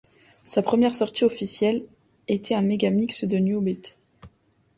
Sa première sortie officielle était un mégamix de New Beat.